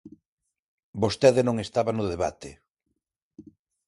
Vostede non estaba no debate.